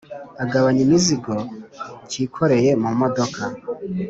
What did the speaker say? agabanya imizigo Cyikoreye mumodoka